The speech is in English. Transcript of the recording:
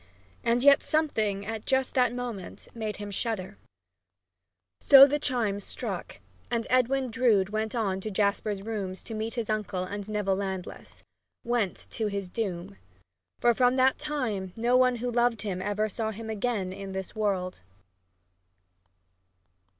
And yet something at just that moment made him shudder. So the chimes struck, and Edwin Drood went on to Jasper's rooms to meet his uncle and Neville Landless went to his doom! For from that time no one who loved him ever saw him again in this world!